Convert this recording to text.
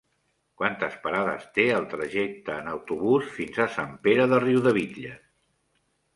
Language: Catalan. Quantes parades té el trajecte en autobús fins a Sant Pere de Riudebitlles?